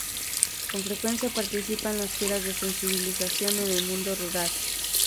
Con frecuencia participa en las giras de sensibilización en el mundo rural.